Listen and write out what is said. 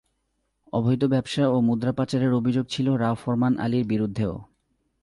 অবৈধ ব্যবসা ও মুদ্রা পাচারের অভিযোগ ছিল রাও ফরমান আলীর বিরুদ্ধেও।